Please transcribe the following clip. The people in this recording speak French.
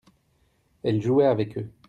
elle jouait avec eux.